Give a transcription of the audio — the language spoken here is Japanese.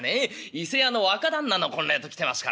伊勢屋の若旦那の婚礼と来てますからね」。